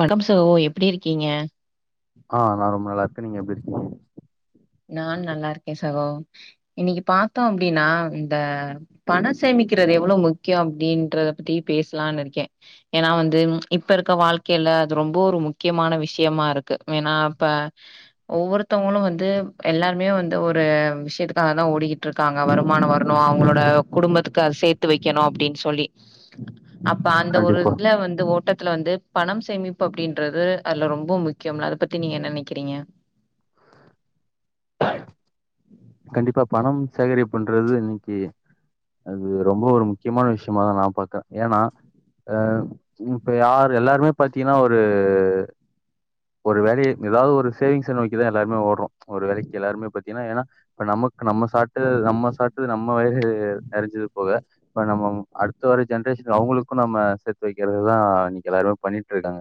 வடம்சோ எப்டி இருக்கீங்க ஆ நா ரொம்ப நல்லா இருக்கே நீங்க எப்டி இருக்கீங்க நானு நல்லா இருக்கே சகோ இன்னைக்கு பாத்தோ அப்டின்னா இந்த பண சேமிக்கிறது எவ்ளோ முக்கியோ அப்டின்றத பத்தி பேசலான்னு இருக்கே ஏன்னா வந்து இப்ப இருக்க வாழ்க்கைல அது ரொம்ப ஒரு முக்கியமான விஷயமா இருக்கு ஏன்னா இப்ப ஒவ்வொருத்தவங்களு வந்து எல்லாருமே வந்து ஒரு விஷயத்துக்காக தா ஓடிக்கிட்டு இருக்காங்க வருமானோ வரணு அவங்களோட குடும்பத்துக்கு அது சேத் விட்டு வைக்கணும் அப்டின் சொல்லி அப்ப அந்த ஒரு கண்டிப்பா இதுல வந்து ஓட்டத்துல வந்து பணம் சேமிப்பு அப்படின்றது அதுல ரொம்ப முக்கியம்ல அத பத்தி நீங்க என்ன நினைக்கிறீங்க கண்டிப்பா பணம் சேகரிப்புன்றது இன்னைக்கி அது ரொம்ப ஒரு முக்கியமான விஷயமாதான் நா பாக்குறேன் ஏன்னா ஆ இப்ப யாரு எல்லாருமே பாத்தீங்கன்னா ஒரு ஒரு வேலைய ஏதாவது ஒரு சேவிங்ச நோக்கிதா எல்லாருமே ஓடுறோ ஒரு வேலைக்கு எல்லாருமே பாத்தீங்கன்னா ஏன்னா இப்ப நமக்கு நம்ம சாப்ட்டு நம்ம சாப்ட்டு நம்ம வயிறு நெறஞ்சது போக இப்ப நம்ம அடுத்த வர ஜென்ரேஷன் அவுங்களுக்கும் நம்ம சேத்து வைக்கிறதுதான் இன்னைக்கு எல்லாருமே பண்ணிட்டு இருக்காங்க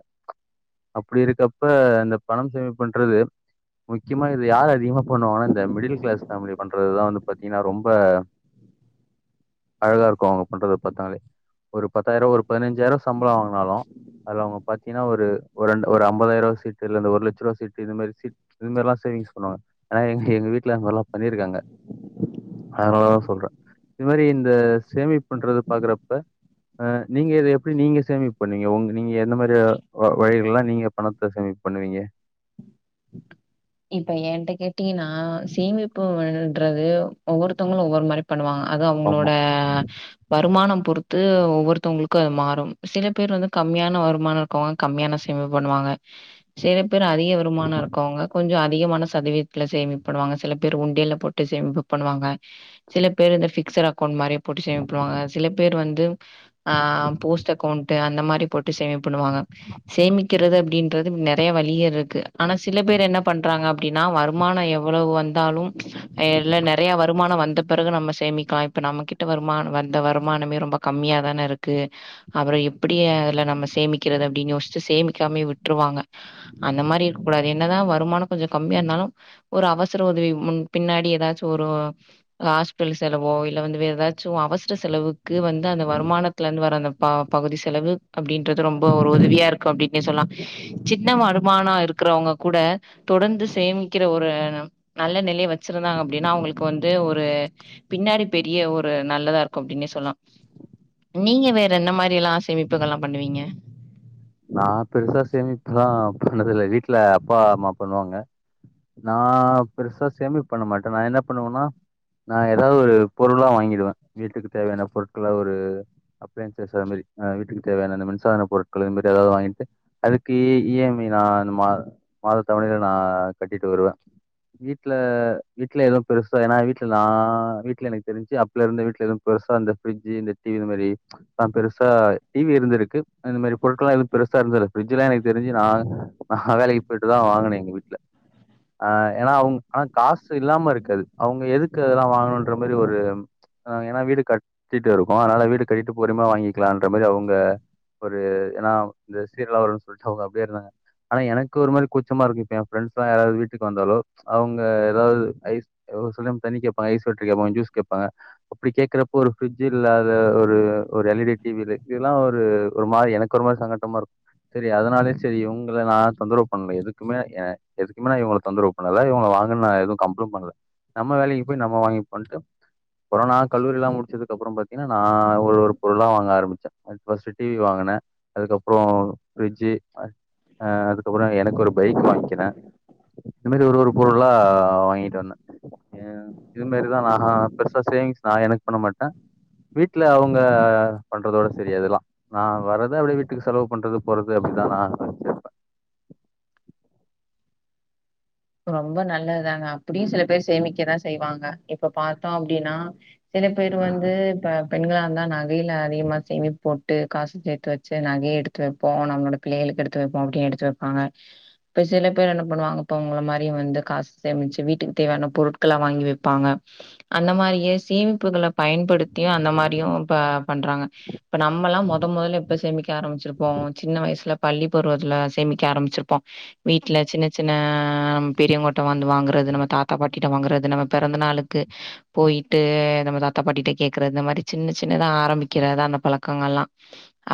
அப்படி இருக்கப்ப இந்த பணம் சேமிப்புன்றது முக்கியமா இது யாரு அதிகமா பண்ணுவாங்கனா இந்த மிடில் கிளாஸ் ஃபேமிலி பண்றதுதா வந்து பாத்தீங்கன்னா ரொம்ப அழகா இருக்கும் அவுங்க பண்றத பாத்தாலே ஒரு பத்தாயிரம் ஒரு பதினஞ்சாயிரம் சம்பளம் வாங்குனாலும் அது அவுங்க பாத்தீங்கன்னா ஒரு ஒரு ரெண்டு ஒரு ஐம்பதாயிரூபா சீட்டு இல்ல இந்த ஒரு லட்ச ரூபா சீட்டு இது மாரி சீ்ட்டு இது மாதிரில்லாம் சேவிங்ஸ் பண்ணுவாங்க ஆனா எங்க எங்க வீட்டுல அந்த மாதிரிலாம் பண்ணியிருக்காங்க அதனாலதா சொல்ற இது மாரி இந்த சேமிப்புன்றத பாக்குறப்ப அ நீங்க இத எப்படி நீங்க சேமிப்பு பண்ணுவீங்க உங்க நீங்க எந்த மாதிரி வழிகள்ல்லாம் நீங்க பணத்த சேமிப்பு பண்ணுவீங்க இப்ப ஏன்ட கேட்டீங்கன்னா சேமிப்புன்றது ஒவ்வொருத்தவுங்களும் ஒவ்வொரு மாரி பண்ணுவாங்க அது ஆமா. அவுங்களோட வருமானம் பொறுத்து ஒவ்வொருத்தவுங்களுக்கும் அது மாறும் சில பேர் வந்து கம்மியான வருமானம் இருக்கும் கம்மியான சேமிப்பு பண்ணுவாங்க சில பேர் அதிக வருமானம் இருக்கவுங்க கொஞ்சம் அதிகமான சதவீதத்துல சேமிப்பு பண்ணுவாங்க சில பேர் உண்டியல்ல போட்டு சேமிப்பு பண்ணுவாங்க சில பேர் இந்த பிக்ஸரா அக்கெளண்ட் மாதிரி போட்டு சேமிப்பு பண்ணுவாங்க சில பேர் வந்து ஆ போஸ்ட் அக்கௌண்ட்டு அந்த மாரி போட்டு சேமிப்பு பண்ணுவாங்க சேமிக்கிறது அப்படின்றது நெறைய வழியே இருக்கு ஆனா சில பேர் என்ன பண்றாங்க அப்படின்னா வருமானம் எவ்வளவு வந்தாலும் இல்ல நெறைய வருமானம் வந்த பிறகு நம்ம சேமிக்கலாம் இப்ப நம்ம கிட்ட வருமானம் வந்த வருமானமே ரொம்ப கம்மியா தான இருக்கு அப்புறம் எப் எப்படி அதுல நம்ம சேமிக்கிறது அப்படின் யோச்சு ச்சு சேமிக்காமே விட்ருவாங்க அந்த மாரி இருக்க கூடாது என்னதா வ வருமானம் கொஞ்சம் கம்மியா இருந்தாலும் ஒரு அவசர உதவி முன் பின்னாடி ஏதாச்சும் ஒரு ஹாஸ்பிட்டல் செலவோ இல்ல வந்து வேற ஏதாச்சும் அவசர செலவுக்கு வந்து அந்த வருமானத் துல இருந்து வர அந்த பகுதி செலவு அப்படின்றது ரொம்ப ஒரு உதவியா இருக்கும் அப்டின்னே சொல்லலாம் சின்ன வருமானம் இருக்குறவுங்க கூட தொடர்ந்து சேமிக்கிற ஒரு நல்ல நிலைய வச்சிருந்தாங்க அப்டின்னா அவுங்களுக்கு வந்து ஒரு பின்னாடி பெரிய ஒரு நல்லதா இருக்கும் அப்டின்னே சொல்லாம் நீங்க வேற என்ன மாரி எல்லா சேமிப்புகள்ல்லாம் பண்ணுவீங்க நா பெருசா சேமிப்புல்லாம் பண்ணது இல்ல வீட்டுல அப்பா அம்மா பண்ணுவாங்க நா பெருசா சேமிப்பு பண்ண மாட்ட நா என்ன பண்ணுவனா நா ஏதாவது ஒரு பொருள்லா வாங்கிடுவ வீட்டுக்கு தேவையான பொருட்களா ஒரு அப்ளையன்ஸஸ் அது மாரி அ வீட்டுக்கு தேவயான இந்த மின்சார பொருட்கள் ஏதாது வாங்கிட்டு அதுக்கு இ இ எம் ஐ இந்த மா மாத தவனைல நா கட்டிட்டு வருவ வீட்ல வீட்ல எதுவு பெருசா ஏன்னா வீட்டுல நா வீட்ல எனக்கு தெரிஞ்சு இல இருந்து வீட்டுல எதும் பெருசா இந்த பிர்ஜி இந்த டிவி இந்த மாரி அதா பெருசா டிவி இருந்திருக்கு இந்த மாரி பொருக்கெல்லா எது பெருசா இருந்தல்ல பிரிட்ஜ்ல்லா எனக்கு தெரிஞ்சு நா வேலைக்கு போயிட்டுதா வாங்கின எங்க வீட்ல ஆ ஏன்னா அவங்க ஆனா காசு இல்லாம இருக்காது அவங்க எதுக்கு அதெல்லா வாங்கணும்ன்ற மாதிரி ஒரு நா ஏன்னா வீடு கட்டிட்டு இருக்கோ அதுனால வீடு கட்டிட்டு பொருமா வாங்கிக்கலாம்ற மாரி அவங்க ஒரு ஏன்னா இந்த சீரல்லவரும்னு சொல்ட்டு அவங்க அப்டியே இருந்தாங்க ஆனா எனக்கு ஒரு மாரி குச்சமா இருக்கும் இப்ப என் ஃப்ரெண்ட்ஸ் எல்லா யாராவது வீட்டுக்கு வந்தாலு அவங்க ஏதாவது ஐஸ் எவளோ சொல்லியு தண்ணி கேப்பா ஐஸ் வாட்டர் கேப்பாங் ஜூஸ் கேப்பாங்க அப்டி கேக்கறப்ப ஒரு ஃபிரிட்ஜ் இல்லாத ஒரு ஒரு எல் டி டிவி இல்லாத ஒரு ஒரு மாரி எனக் ஒரு மாரி சங்கட்டமா இருக் செரி அதனாலயே செரி இவங்கள நா தொந்தரவு பண்ணல எதுக்குமே ஆ எதுக்குமே நா இவங்கள தொந்தரவு அதால இவங்கள வாங்குனு நா எது கம்பெல்வு பண்ணல நம்ம வேலைக்கு போய் நம்ம வாங்கிப்போன்ட்டு அப்புற நா கல்லூரிலா முடிச்சதுக்கு அப்பற பாத்தீங்கன்னா நா ஒரு ஒரு பொருளா வாங்க ஆரம்பிச்ச ஃபர்ஸ்ட் டிவி வாங்கினே அதுக்குகப்றோ ஃபிரிட்ஜ் ஆ அதுக்குகப்றோ எனக்கு ஒரு பைக் வாங்கிக்கினே இந்த மேரி ஒரு ஒரு பொருளா வாங்கிட்டு வந்த என் இது மாரிதா நா பெருசா சேவிங்ஸ் நா எனக்கு பண்ண மாட்ட வீட்ல அவங்க பண்றதோட செரி அதெல்லா நா வர்றத அப்டியே வீட் டுக்கு செலவு பண்றது போறது அப்டிதானா ரொம்ப நல்லதுதாங்க அப்டியு சில பேர் சேமிக்கதா செய்வாங்க இப்ப பாத்தோ அப்டின்னா சில பேர் வந்து இப்ப பெண்களாக இருந்தா நகையையில் அதிகமாக சேமிப்பு போட்டு காசு சேத்து வச்சு நகைய எடுத்து வைப்போ நம்மளோட பிள்ளைகளுக்கு எடுத்து வைப்போ அப்டின் எடுத்து வைப்பாங்க இப்ப சில பேர் என்ன பண்ணுவாங்க இப்ப உங்கள மாதிரியும் வந்து காசு சேமிச்சு வீட்டுக்கு தேவையான பொருட்களை வாங்கி வப்பாங்க அந்த மாரியே சேமிப்புகள பயன்படுத்தியும் அந்த மாரியு ப பண்றாங்க இப்ப நம்மல்லா மொத மொதல்ல எப்ப சேமிக்க ஆரம்பிச்சிருப்போ சின்ன வயசுல பள்ளி பருவத்துல சேமிக்க ஆரம்பிச்சிருப்போ வீட்ல சின்ன சின்ன ஆ நம்ம பெரியவங்கட்ட வந்து வாங்குறது நம்ம தாத்தா பாட்டிட்ட வாங்குறது நம்ம பெறந்த நாளுக்கு போயிட்டு நம்ம தாத்தா பாட்டிட்ட கேக்குறது இந்த மாரி சின்ன சின்னதா ஆரம்பிக்கிறதுத அந்த பழக்கங்கல்லா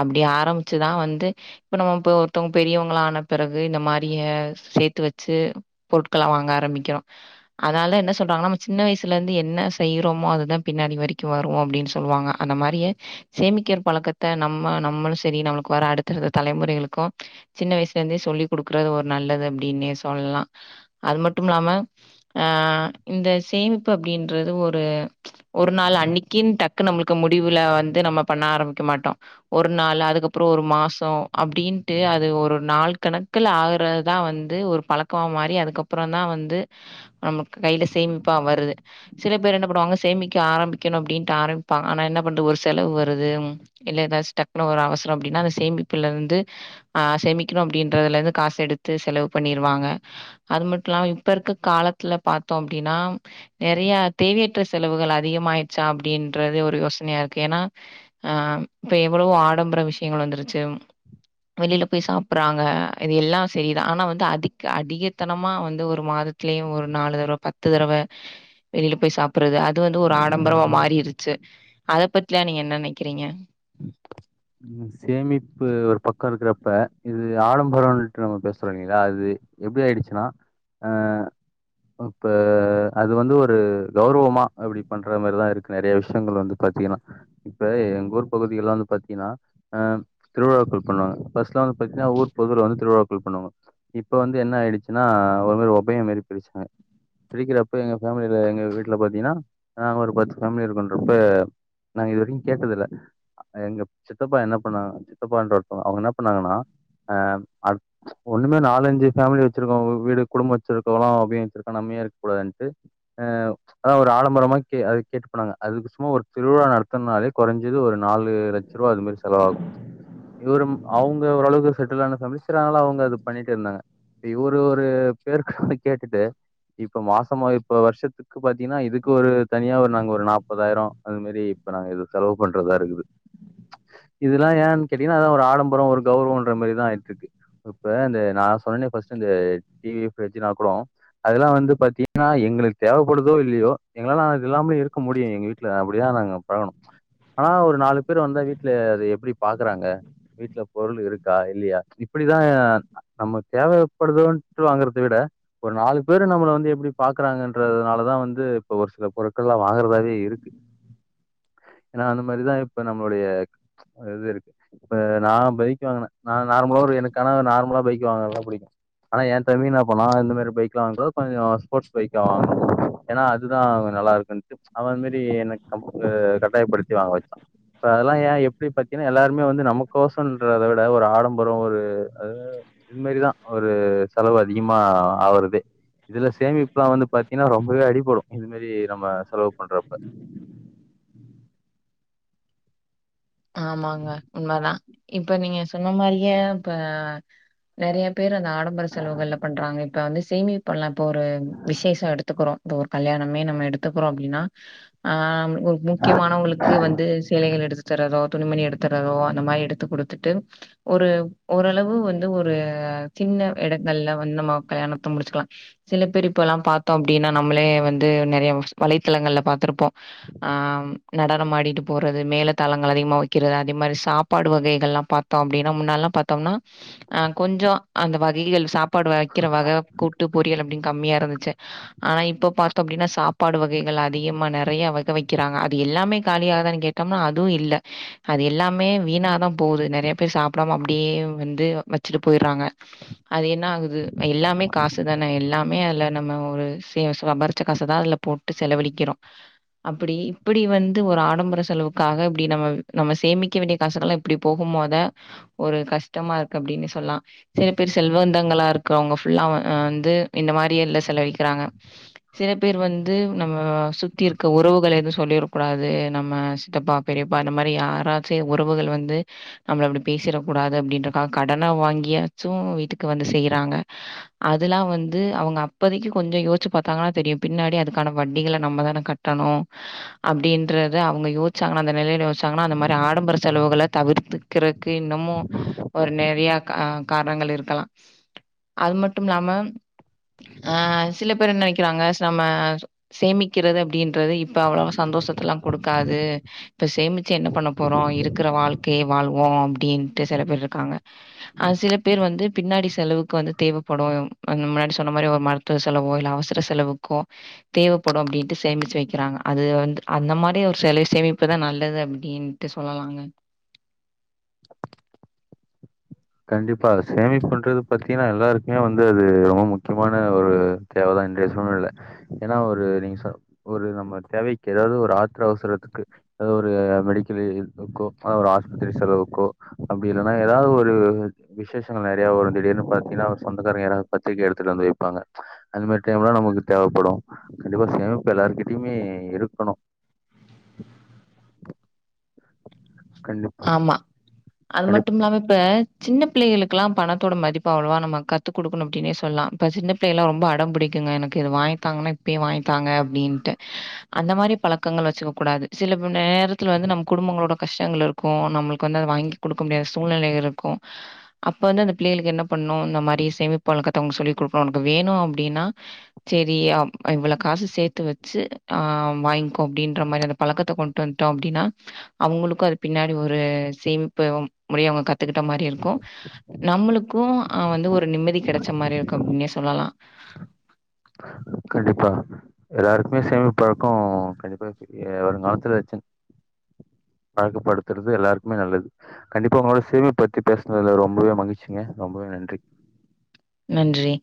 அப்டி ஆரம்பிச்சுதா வந்து இப்ப நம்ம இப்ப ஒருத்தவங்க பெரியவங்களான பிறகு இந்த மாதிரிய சேர்த்து வச் சு பொருட்கள வாங்க ஆரம்பிக்கிறோ அதனாலதா என்ன சொல்றாங்க நம்ம சின்ன வயசுல இருந்து என்ன செய்யறோமோ அதுதா பின்னாடி வரைக்கு வரு அப்டின்னு சொல்லுவாங்க அந்த மாரியே சேமிக்கர பழக்கத்த நம்ம நம்மளு செரி நம்மளுக்கு வர அடுத்தடுத்த தலைமுறைகளுக்கு சின்ன வயசுலருந்தே சொல்லி் கொடுக்குறது ஒரு நல்லது அப்டின்னே சொல்லா அது மட்டுமிலாம ஆ இந்த சேமிப்பு அப்டின்றது ஒரு ஒரு நாள் அன்னைக்குன்னு டக்கு நம்மளுக்கு முடிவுல வந்து நம்ம பண்ண ஆரம்பிக்க மாட்டோ ஒரு நாள் அதுக்கு அப்றோ ஒரு மாசோ அப்டின்ட்டு அது ஒரு நாள் கணக்குல அகுரா தா வந்து ஒரு பழக்கமா மாறி அதுக்கப்ற தா வந்து நம்ம கையில சேமிப்பா வருது சில பேர் என்ன பண்ணுவாங்க சேமிக்க ஆரம்பிக்கணு அப்டின்ட்டு ஆரம்பிப்பாங்க ஆனா என்ன பண்றது ஒரு செலவு வருது இல்ல ஏதாச்ச டக்குனு ஒரு அவசரோ அப்டின்னா அந்த சேமிப்புல இருந்து ஆ சேமிக்கணு அப்டின்றதுல இருந்து காசு எடுத்து செலவு பண்ணிருவாங்க அது மட்டு இல்லாம இப்ப இருக்க காலத்துல பாத்தோ அப்டின்னா நெறையா தேவையற்ற செலவுகள் அதிகமாயிடுச்சா அப்டின்றது ஒரு யோசனையா இருக்கு ஏன்னா ஆ இப்போ எவ்வளவோ ஆடம்பர விஷயங்கள் வந்துருச்சு வெளில போய் சாப்றாங்க இது எல்லா சரிதா ஆனா வந்து அதி க அடிகத்தனமா வந்து ஒரு மாதத்திலே ஒரு நாலு தடவ பத்து தடவ வெளில போய் சாப்புறது அது வந்து ஒரு ஆடம்பரவா மாறிருச்சு அத பத்லா நீங்க என்ன நினைக்கிறீங்க ம் சேமிப்பு ஒரு பக்கொ இருக்கறப்ப இது ஆடம்பரனுட் நம்ம பேசுறோ இல்லைங்ளா அது எப்டி ஆயிடுச்சுனா அ இப்ப அது வந்து ஒரு கௌரவமா அப்டி பண்ற மாரிதா இருக்கு நெறய விஷ்யங்கள் வந்து பாத்தீங்கன்னா இப்ப எங்க ஊர் பகுதி எல்லா வந்து பாத்தீன்னா அ திருவிழாக்கள் பண்ணுவாங்க ஃபர்ஸ்ட்லா வந் பாத்தீனா ஊர் பொதுல வந்து திருவிழாக்கள் பண்ணுவாங்க இப்ப வந்து என்ன ஆயிடுச்சுன்னா ஒரு ஒபய மாறி பிரிச்சாங்க பிரிக்கறப்ப எங்க ஃபமிலில எங்க வீட்ல பாத்தீங்ன்னா நாங்க ஒரு பத்து ஃபமிலி இருக்குன்றப்ப நாங்க இதுவரைக்கு கேட்டதில்ல எங்க சித்தப்பா என்ன பண்ணாங்க சித்தப்பான்ற ஒருத்தவ அவ்ங்க என்னா பண்ணாங்கன்னா அ அது ஒண்ணுமெ நாலஞ்சு ஃபமிலி வெச்சிருக்கோங்க வீடு குடும்ப வெச்சிருக்கோவல்லா அப்டியின் வச்சிருக்கா நம்ம ஏ இருக்க கூடாதுன்ட்டு அ ஆ ஒரு ஆலமரமாக்ய அத கேட்டு போனாங்க அதுக்கு சும்மா ஒரு திருவிழா நடத்துனாலே கொறஞ்சது ஒரு நாலு லட்ச ரூவா அது மாரி செலவாகு இது வெறும் அவுங்க ஓரளவுக்கு செட்டில் ஆன ஃபமிலி சரி அதனால அவ்ங்க அத பண்ணிட்டு இருந்தாங்க இவரு ஒரு போர்கு கேட்டுட்டு இப்ப மாசமா இப்ப வருஷத்துக் க்கு பாத்தீனா இதுக்கு ஒரு தனியா ஒரு நாங்க ஒரு நாப்பதாயிரொ அது மாரி இப்ப நாங்க செலவு பண்றதா இருக்குது இதெல்லா ஏன் கேட்டீன்னா அதுதா ஒரு ஆடம்பரொ ஒரு கௌருவொன்ற மாரிதா ஆயிட்ருக்கு இப்ப இந்த நா சொன்ன பர்ஸ்ட் இந்த டிவி பிரிட்ஜ்லா கோடோ அதெல்லா வந்து பாத்தீங்ன்னா எங்களுக்கு தேவப்படுதோ இல்லயோ எங்களால நா அது இல்லாமலே இருக்க முடியு எங்க வீட்ல அப்டிதா நாங்க பழகணு ஆனா ஒரு நாலு பேர் வந்தா வீட்ல அது எப்டி பாக்கறாங்க வீட்ல பொருள் இருக்கா இல்லயா இப்டிதா நம்ம தேவப்படுதொன்ட்டு வாங்குறத விட ஒரு நாலு பேரு நம்மள வந்து எப்டி பாக்குறாங்கன்றதுனாலதா வந்து இப்ப ஒரு சில பொருட்கள் ல்லா வாங்குறதாவே இருக்கு ஏன்னா அந்த மாரிதா இப்ப நம்மளுடைய இது இருக்கு இப்ப நா பைக் வாங்குன நா நார்மலா ஒரு எனக்கான நார்மலா பைக் வாங்கரதுதா பிடிக்கு ஆனா என் தம்பி என்ன பன்னா இந்த மாரி பைக்லா வாங்றொ கொஞ்சொ ஸ்போட்ஸ் பைக்கா வாங் ஏனா அதுதா நல்லா இருக்குன்னுட்டு அவ அந்மாரி எனக் கம்ல கட்டாயப்படுத்தி வாங்க வெச்சா இப்ப அதெல்லா ஏன் எப்டி பத்தீன்னா எல்லாருமே வந்து நம்க்கோசம்ன்றத விட ஒரு ஆடம்பரரோ ஒரு அ இது மாரிதா ஒரு செலவு அதிகமா ஆவுறதெ இதுல சேமிப்ல்லா வந்து பாத்தீன்னா ரொம்பவே அடிபடு இது மாரி நம்ம செலவு பண்றப்ப ஆமாங்க உண்மதா இப்ப நீங்க சொன்ன மாரியே இப்ப நெறய பேரு அந்த ஆடம்பர செலவுகளல பண்றாங்க இப்போ வந்து சேமிப்பலா இப்போ ஒரு விசேஷொ எடுத்துக்கறோ ஒரு கல்யாணமே நம்ம எடுத்துக்கறோ அப்டின்னா ஆ ஒரு முக்கியமானவங்களுக்கு வந்து சேலைகள் எடுத்து தரதோ துணிமணி எடுத்து தரதோ அந்த மாரி எடுத்து குடுத்துட்டு ஒரு ஓரளவு வந்து ஒரு சின்ன இடங்கள்ல வந்து நம்ம கல்யாணத்த முடிச்சுக்கலா சில பேரு இப்பல்லா பாத்தோ அப்டின்னா நம்மளே வந்து நெறைய வலைத்தளங்கள்ல பாத்துருப்போ ஆ நடனமாடிட்டு போறது மேல தாளங்கள் அதிகமா வச் வக்கிறது அதே மாரி சாப்பாடு வகைகள்லா பாத்தோ அப்டின்னா முன்னல்லா பாத்தோம்னா ஆ கொஞ்சொ அந்த வகைகள் சாப்பாடு வைக்கிற வக கூட்டு பொறியல் அப்டின் கம்மியா இருந்துச்சு ஆனா இப்ப பாத்தோ அப்டின்னா சாப் பாடு வகைகள் அதிகமா நெறைய வக வக்கிறாங்க அது எல்லாமே காலியாகுதானு கேட்டோமா அதுவு இல்ல அது எல்லாமே வீணாதா போது நெறைய பேர் சாப்டாம அப்டியே வந்து வச்சுட்டு போய்றாங்க அது என்ன ஆகுது எல்லாமே காசுதானே எல்லாமே அதுல நம்ம ஒரு சே சம்பரிச்ச காசதா அதுல போட்டு செலவழிக்கிறோ அப்டி இப்டி வந்து ஒரு ஆடம்பர செலவுக்காக இப்டி நம்ம நம்ம சேமிக்க வேண்டிய காசுகள்லா இப்டி போகும்போதா ஒரு கஷ்டமா இருக்கு அப்டின்னு சொல்லா செல பேர் செல்வந்தங்களா இருக்கவங்க ஃபுல்லா வந்து இந்த மாரி எல்லா செலவளிக்கிறாங்க சில பேர் வந்து நம்ம சுத்தி இருக்க உறவுகள எதுவு சொல்லிரு கூடாது நம்ம சித்தப்பா பெரியப்பா இந்த மாரி யாராச்சு உறவுகள் வந்து நம்மள அப்டி பேசிடக் கூடாது அப்படின்றக்காக கடன வாங்கியாச்சு வீட்டுக்கு வந்து செய்யுறாங்க அதெல்லா வந்து அவுங்க அப்பதைக்கி கொஞ்ச யோசிச்சு பாத்தாங்கன்னா தெரியு பின்னாடி அதுக்கான வட்டிகள நம்ம தான கட் டணு அப்டின்றது அவுங்க யோசிச்சாங்கன்னா அந்த நெலைய யோசிச்சாங்கன்னா அந்த மாரி ஆடம்பர செலவுகள தவிர்த்துக்கறக்கு இன்னமு ஒரு நெறையா கா காரணங்கள் இருக்கலா அது மட்டும் இல்லாம ஆ சில பேர் என்ன நெனைக்கிறாங்க நம்ம சேமிக்கிறது அப்டின்றது இப்ப அவ்வளவு சந்தோஷத்த எல்லா குடுக்காது இப்ப சேமி ச்சி என்ன பண்ண போறோ இருக்கிற வாழ்க்கை வாழ்வோ அப்டின்ட்டு செல பேர் இருக்காங்க ஆ சில பேர் வந்து பின்னாடி செலவுக்கு வந்து தேவப்படு கொச்ங முன்னாடி சொன்ன மாரி ஒரு மரத் ட்டு செலவோ இல்ல அவசர செலவுக்கோ தேவப்படு அப்டின்ட்டு சேமிச்சு வக்கிறாங்க அது வந்து அந்த மாரி ஒரு செல சேமிப்புதா நல்லது அப்டின் னுட்டு சொல்லலாங்க கண்டிப்பா சேமிப் பண்றது பாத்தீங்கன்னா எல்லாருக்குமே வந்து அது ரொம்ப முக்கியமான ஒரு தேவதா இன்றைய சூழ்நெலல ஏன்னா ஒரு நீங்க சொல் ஒரு நம்ம தேவைக்கு ஏதாவது ஒரு ஆத்திர அவசரத்துக்கு எதோ ஒரு மெடிக்கல் எமர்ஜென்சிக்கோ அதா ஒரு ஹாஸ்பத்திரி செலவுக்கோ அப்டி இல்லன்னா ஏதாது ஒரு ஆ விசேஷங்கள் நெறையா வரு திடீர்ன்னு பாத்தீங்கன்னா ஒரு சொந்தக்காரங்க யாராவது பத்திரிக்க எடுத்துட்டு வந்து வப்பாங்க அந்த மாரி டைம்லா நமக்கு தேவப்படு கண்டிப்பா சேமிப்பு எல்லாருக்கிட்டயுமே இருக்கணு கண்டிப்பா, ஆமா அது கண்டிப் மட்டுமில்லாம இப்ப சின்ன பிள்ளைகளுக்கெல்லா பணத்தோட மதிப்பு அவ்வளவா நம்ம கத்துக் கொடுக்கணு அப்டின்னே சொல்லலா இப்ப சின்ன பிள்ளையெல்லா ரொம்ப அடம் புடிக்குங்க எனக்கு இது வாங்கத்தாங்கன்னா இப்பயே வாங்கத்தாங்க அப்டின்ட்டு அந்த மாரி பழக்கங்கள் வச்சுக்க கூடாது சில நேரத்துல வந்து நம்ம குடும்பங்களோட கஷ்டங்கள் இருக் கு நம்மளுக்கு வந்து அது வாங்கிக் கொடுக்க முடியாத சூழ்நிலைகள் இருக்கும் அப்ப வந்து அந்த பிள்ளைகளுக்கு என்ன பண்ணு இந்த மாரி சேமிப்பால கத்து அவுங்களுக் சொல்லி்க் குடுக்கணு உனக்கு வேணு அப்டின்னா சேரி இவ்வளோ காசு சேத்து வச்சு ஆ வாங்கிக் கோ அப்டின்ற மாரி அந்த பழக்கத்த கொண்டு வந்ட்டோ அப்டின்னா அவுங்களுக்கு அது பின்னாடி ஒரு சேமிப்பு மாரி அவுங்க கத்துக்கிட்ட மாரி இருக்கும் நம்மளுக்கும் ஆ வந்து ஒரு நிம்மதி கெடைச்ச மாரி இருக்கு அப்டின்னே சொல்லலா கண்டிப்பா எல்லாருக்குமே சேமி பழக்கோ கண்டிப்பா [unintelligible] வருங்காலத்துல வச்சின் பழக்கப்படுத்துறது எல்லாருக்குமே நல்லது கண்டிப்பா உங்களோட சேமிப் பத்தி பேசுனதுல ரொம்பவே மகழ்ச்சிங்க ரொம்பவே நன்றி நன்றி